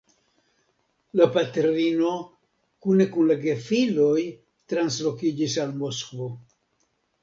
La patrino kune kun la gefiloj translokiĝis al Moskvo.